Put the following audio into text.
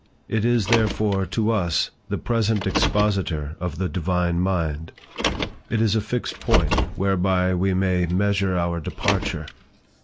It is, therefore, to us, the present expositor of the divine mind. It is a fixed point whereby we may measure our departure.